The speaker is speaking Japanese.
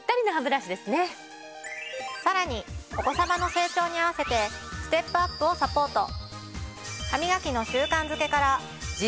さらにお子さまの成長に合わせてステップアップをサポート。